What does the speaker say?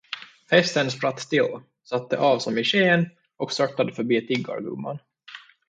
Hästen spratt till, satte av som i sken och störtade förbi tiggargumman.